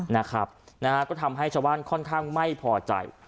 นะฮะก็ทำให้ชาวบ้านค่อนข้างไม่พอใจ